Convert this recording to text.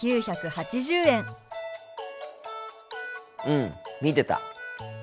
うん見てた。